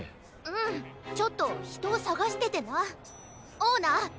うんちょっとひとをさがしててなオーナー